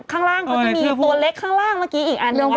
เพราะจะมีตัวเล็กข้างล่างเมื่อกี้อีกอันลงแล้วก็แบบ